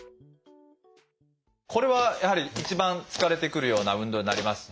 これはやはり一番疲れてくるような運動になります。